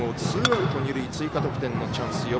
ツーアウト、二塁追加得点のチャンス。